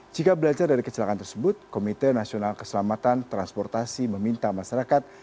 jika belajar dari kecelakaan tersebut komite nasional keselamatan transportasi meminta masyarakat